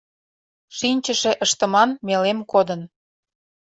Шинчыше ыштыман мелем кодын